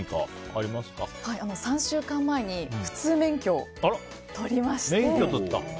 ３週間前に普通免許を取りまして。